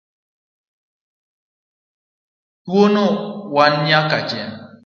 Tawuono wanka nyaka che.